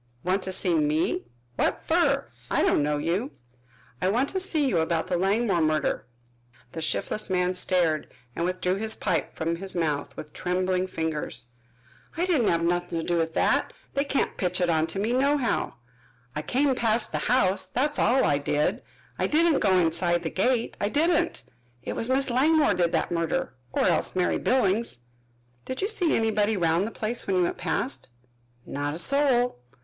"Want to see me? What fer? I don't know you." "I want to see you about that Langmore murder." The shiftless man stared and withdrew his pipe from his mouth with trembling fingers. "I didn't have nuthin' to do with that. They can't pitch it onto me nohow! I came past the house, that's all I did. I didn't go inside the gate, I didn't. It was Miss Langmore did that murder or else Mary Billings." "Did you see anybody round the place when you went past?" "Not a soul."